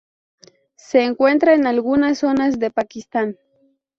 Se encuentra en algunas zonas de Pakistán.